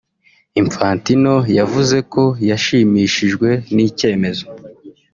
Infantino yavuze ko yashimishijwe n'icyemezo